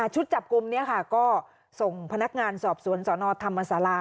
ชุดจับกลุ่มนี้ค่ะก็ส่งพนักงานสอบสวนสนธรรมศาลา